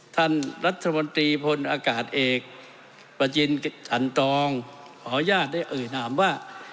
ท่านรัฐมนตรีพลอากาศเอกประจินจันตองขออนุญาตได้เอ่ยนามว่า